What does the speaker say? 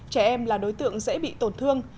trẻ em là đối tượng dễ bị tổn thương